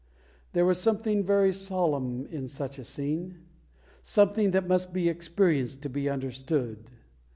There is something very solemn in such a scene something that must be experienced to be understood.